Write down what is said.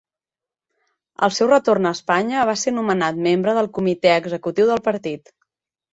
Al seu retorn a Espanya va ser nomenat membre del Comitè Executiu del Partit.